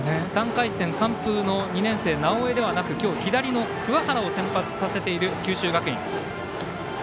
３回戦完封の２年生、直江ではなく今日、左の桑原を先発させている九州学院。